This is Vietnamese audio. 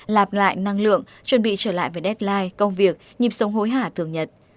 lạp lại năng lượng chuẩn bị trở lại với deadline công việc nhịp sống hối hả thường nhật